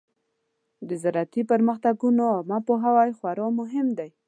د زراعتي پرمختګونو عامه پوهاوی خورا مهم دی.